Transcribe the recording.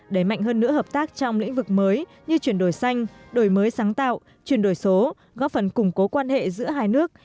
đẩy mạnh hơn nữa hợp tác trong lĩnh vực mới như chuyển đổi xanh đổi mới sáng tạo chuyển đổi số góp phần củng cố quan hệ giữa hai nước